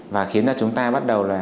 và khiến cho chúng ta bắt đầu